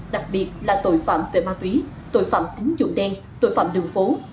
đặc biệt là tội phạm về ma túy tội phạm tính dụng đen tội phạm đường phố